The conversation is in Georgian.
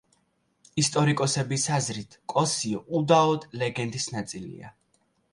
ისტორიკოსების აზრით კოსიო უდაოდ ლეგენდის ნაწილია.